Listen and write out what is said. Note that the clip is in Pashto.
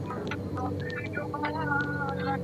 سالم ماشومان سالم فکر او چلند لري.